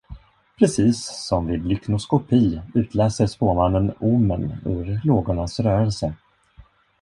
Precis som vid lyknoskopi utläser spåmannen omen ur lågornas rörelser.